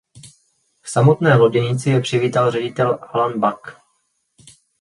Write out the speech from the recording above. V samotné loděnici je přivítal ředitel Alain Buck.